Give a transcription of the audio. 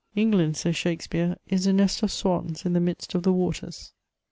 England," says Shakspeare, '< is a nest of swans in the midst of the waters.'